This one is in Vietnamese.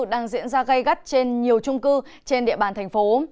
đang diễn ra gây gắt trên nhiều trung cư trên địa bàn thành phố